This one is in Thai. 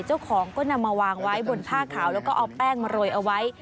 เจ้าของก็นำมาวางไว้บนผ้าขาวแล้วก็เอาแป้งมาโรยเอาไว้